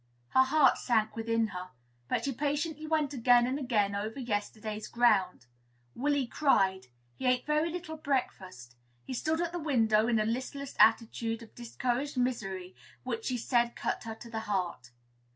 Her heart sank within her; but she patiently went again and again over yesterday's ground. Willy cried. He ate very little breakfast. He stood at the window in a listless attitude of discouraged misery, which she said cut her to the heart.